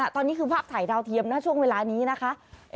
ตอนนี้คือภาพถ่ายดาวเทียมนะช่วงเวลานี้นะคะ